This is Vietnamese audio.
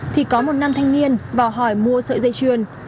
thì có một nam thanh niên bỏ hỏi mua sợi dây chuyền